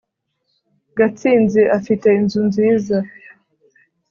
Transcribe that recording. Gatsinzi afite inzu nziza.